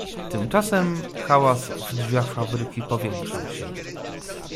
"Tymczasem hałas w drzwiach fabryki powiększał się."